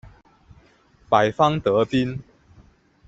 白方得兵。